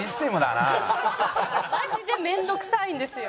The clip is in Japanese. マジで面倒くさいんですよ。